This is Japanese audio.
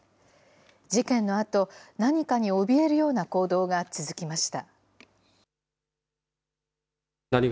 事件のあと、何かにおびえるような行動が続きました。